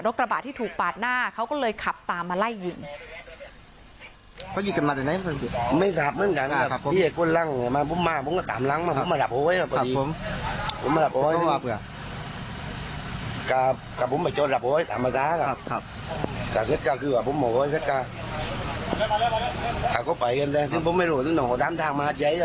กระบะที่ถูกปาดหน้าเขาก็เลยขับตามมาไล่ยิง